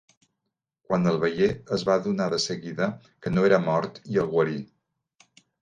Quan el veié es va adonar de seguida que no era mort i el guarí.